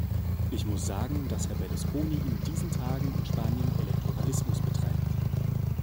Ich muss sagen, dass Herr Berlusconi in diesen Tagen in Spanien Elektoralismus betreibt.